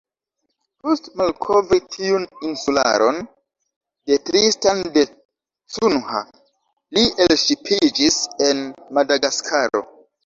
Post malkovri tiun insularon de Tristan da Cunha, li elŝipiĝis en Madagaskaro.